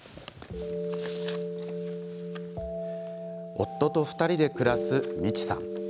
夫と２人で暮らす、みちさん。